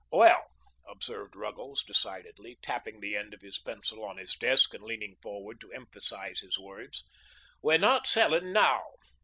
"Well," observed Ruggles decidedly, tapping the end of his pencil on his desk and leaning forward to emphasise his words, "we're not selling NOW.